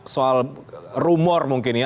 soal rumor mungkin ya